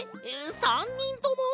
３にんとも！？